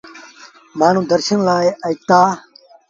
مآݩهون درشن لآ آئيٚتآ۔